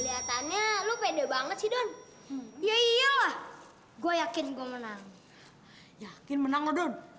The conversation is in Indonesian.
lalu pendek banget sih don iya iyalah gua yakin gua menang yakin menang